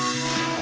あ。